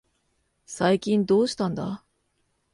最近どうしたんだ。